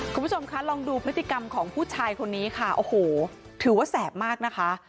คุณผู้ชมคะลองดูพฤติกรรมของผู้ชายคนนี้ค่ะโอ้โหถือว่าแสบมากนะคะ